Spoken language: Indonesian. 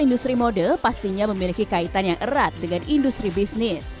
industri mode pastinya memiliki kaitan yang erat dengan industri bisnis